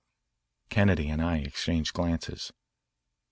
Kennedy and I exchanged, glances.